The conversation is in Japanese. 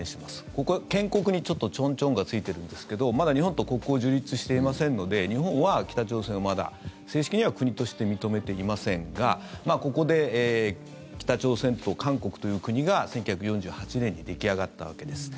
ここ、建国にちょっとチョンチョンがついてるんですがまだ日本と国交を樹立していませんので日本は北朝鮮をまだ正式には国として認めていませんがここで北朝鮮と韓国という国が１９４８年に出来上がったわけです。